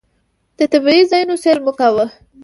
د طبعي ځایونو سیل مو کاوه.